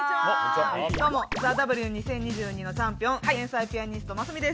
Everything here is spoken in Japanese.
どうも『ＴＨＥＷ２０２２』のチャンピオン天才ピアニスト・ますみです。